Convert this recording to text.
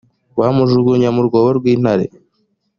bamujugunya mu rwobo rw intare